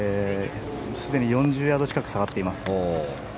すでに４０ヤード近く下がっています。